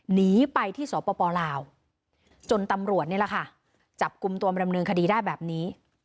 หนีไปที่สปลาวจนตำรวจนี่แหละค่ะจับกลุ่มตัวมาดำเนินคดีได้แบบนี้